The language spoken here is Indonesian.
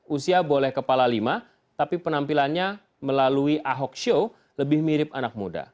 usia boleh kepala lima tapi penampilannya melalui ahok show lebih mirip anak muda